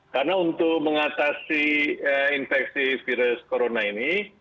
karena untuk mengatasi infeksi virus corona ini